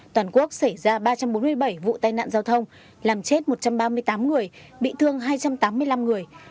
toàn quốc xảy ra ba trăm bốn mươi bảy vụ tai nạn giao thông làm chết một trăm ba mươi tám người bị thương hai trăm tám mươi năm người